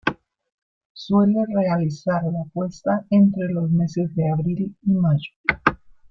Suele realizar la puesta entre los meses de abril y mayo.